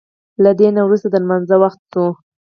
له دې نه وروسته د لمانځه وخت شو.